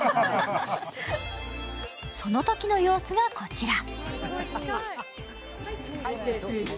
そのときの様子がこちら。